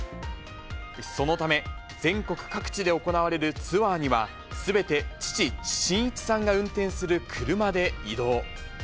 そのため、全国各地で行われるツアーには、すべて父、真一さんが運転する車で移動。